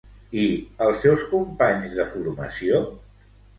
I els seus companys de formació?